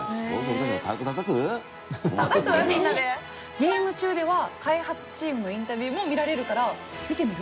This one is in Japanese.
ゲーム中では開発チームのインタビューも見られるから見てみる？